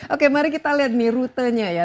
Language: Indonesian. oke mari kita lihat nih rutenya ya